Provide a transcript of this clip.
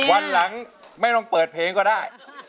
วันหลังไม่ต้องเปิดเพลงก็ได้